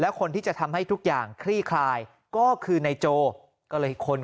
และคนที่จะทำให้ทุกอย่างคลี่คลายก็คือในโจรหลายครั้ง